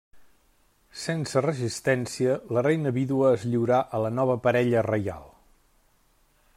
Sense resistència, la reina vídua es lliurà a la nova parella reial.